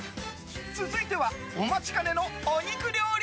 続いては、お待ちかねのお肉料理。